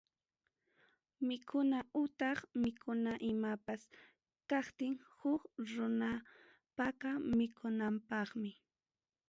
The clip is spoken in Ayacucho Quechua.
Mikuna utaq mikuna imapas kaptin huk runapaqa mikunanpaqmi.